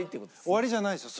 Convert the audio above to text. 終わりじゃないですよ。